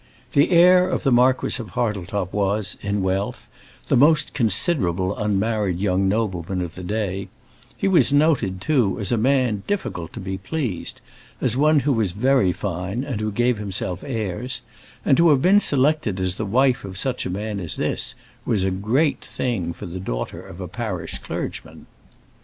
The heir of the Marquis of Hartletop was, in wealth, the most considerable unmarried young nobleman of the day; he was noted, too, as a man difficult to be pleased, as one who was very fine and who gave himself airs, and to have been selected as the wife of such a man as this was a great thing for the daughter of a parish clergyman.